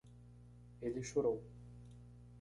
Ele chorou